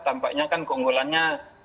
tampaknya kan keunggulannya